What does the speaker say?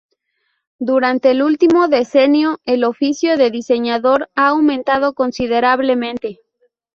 Durante el último decenio, el oficio de diseñador ha aumentado considerablemente.